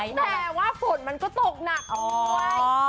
แต่ว่าฝนมันก็ตกหนักออกด้วย